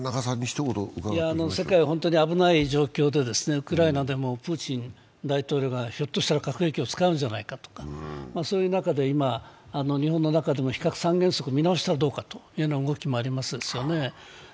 世界は本当に危ない状況で、ウクライナでもプーチン大統領がひょっとしたら核兵器を使うんじゃないかとか、そういう中で、日本の中でも非核三原則を見直したらどうかという動きがありますよね。